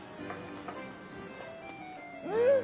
うん！